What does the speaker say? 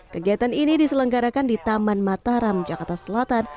kegiatan ini diselenggarakan di taman mataram jakarta selatan